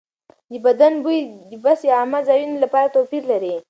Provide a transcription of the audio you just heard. د بدن بوی د بس یا عامه ځایونو لپاره توپیر لري.